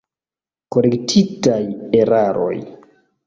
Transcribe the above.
Korektitaj eraroj.